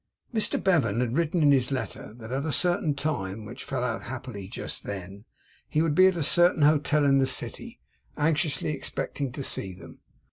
Mr Bevan had written in his letter that, at a certain time, which fell out happily just then, he would be at a certain hotel in the city, anxiously expecting to see them.